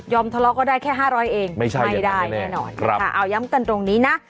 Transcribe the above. ยอมทะเลาะก็ได้แค่๕๐๐บาทเองไม่ได้แน่นอนเอาย้ำกันตรงนี้นะ